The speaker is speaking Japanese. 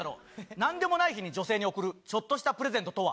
なんでもない日に女性に贈るちょっとしたプレゼントとは。